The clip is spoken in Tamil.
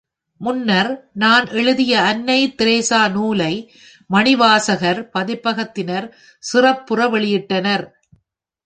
முன்னர், நான் எழுதிய அன்னை தெரேசா நூலை மணிவாசகர் பதிப்பகத்தினர் சிறப்புற வெளியிட்ட்னர்.